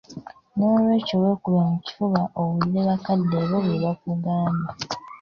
Noolwekyo weekube mu kifuba owulire bakadde bo bye bakugamba.